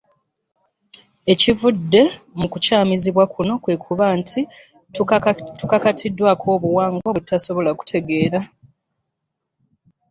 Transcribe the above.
Ekivudde mu kukyamizibwa kuno kwe kuba nti tukakaatiddwako obuwangwa bwe tutasobola kutegeera.